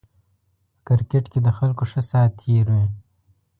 په کرکېټ کې د خلکو ښه سات تېر وي